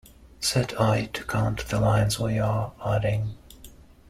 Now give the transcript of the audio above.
Set "i" to count the lines we are adding.